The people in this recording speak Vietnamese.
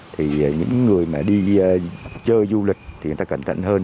thì những người mà đi chơi du lịch thì người ta cẩn thận hơn